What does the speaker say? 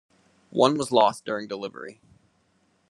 One was lost during delivery.